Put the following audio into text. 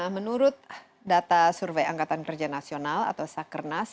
menurut data survei angkatan kerja nasional atau sakernas